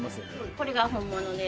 これが本物です